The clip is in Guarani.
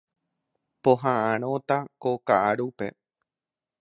Poha'ãrõta ko ka'arúpe.